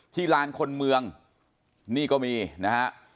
ลานคนเมืองนี่ก็มีนะฮะ